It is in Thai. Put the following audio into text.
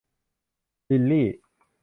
ลิลลี่